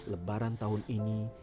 lebaran tahun ini